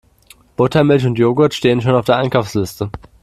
Buttermilch und Jogurt stehen schon auf der Einkaufsliste.